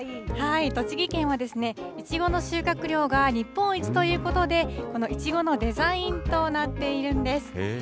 栃木県はいちごの収穫量が日本一ということで、このいちごのデザインとなっているんです。